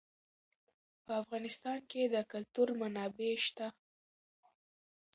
په افغانستان کې د کلتور منابع شته.